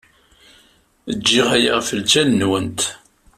Giɣ aya ɣef lǧal-nwent.